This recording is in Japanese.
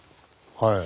はい。